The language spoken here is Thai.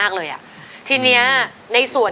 ขอบคุณครับ